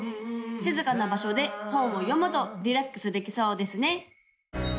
静かな場所で本を読むとリラックスできそうですね